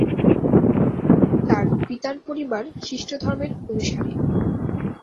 তার পিতার পরিবার খ্রিস্টধর্মের অনুসারী।